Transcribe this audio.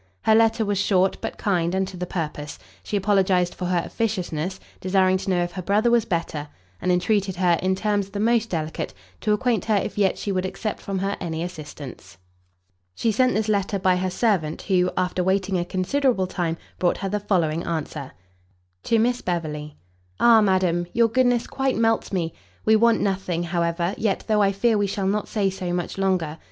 Her letter was short, but kind and to the purpose: she apologized for her officiousness, desiring to know if her brother was better, and entreated her, in terms the most delicate, to acquaint her if yet she would accept from her any assistance. She sent this letter by her servant, who, after waiting a considerable time, brought her the following answer. To Miss Beverley. Ah madam! your goodness quite melts me! we want nothing, however, yet, though I fear we shall not say so much longer.